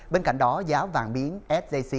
bên cạnh đó giá vàng biến sjc